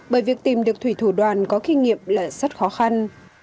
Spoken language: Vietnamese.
bởi việc tìm được thủy thủ đoàn có kinh nghiệm là rất khó khăn